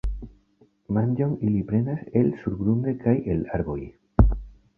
Manĝon ili prenas el surgrunde kaj el arboj.